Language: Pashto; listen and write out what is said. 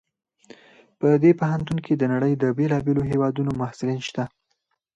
په دې پوهنتون کې د نړۍ د بیلابیلو هیوادونو محصلین شته